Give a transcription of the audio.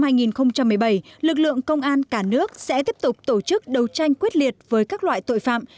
sáu tháng cuối năm hai nghìn một mươi bảy lực lượng công an cả nước sẽ tiếp tục tổ chức đấu tranh quyết liệt với các loại tội phạm